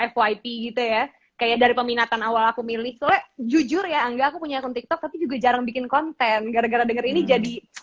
fyp gitu ya kayak dari peminatan awal aku milih soalnya jujur ya angga aku punya akun tiktok tapi juga jarang bikin konten gara gara denger ini jadi